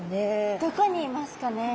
どこにいますかね。